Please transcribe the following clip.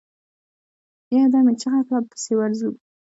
يودم يې چيغه کړه! پسې ورځو.